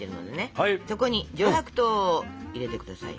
そこに上白糖を入れて下さい。